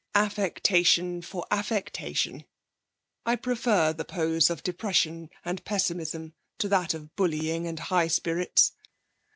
'Affectation for affectation, I prefer the pose of depression and pessimism to that of bullying and high spirits.